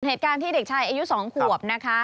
เหตุการณ์ที่เด็กชายอายุ๒ขวบนะคะ